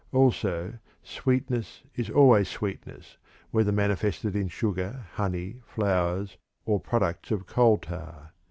Also, sweetness is always sweetness, whether manifested in sugar, honey, flowers, or products of coal tar.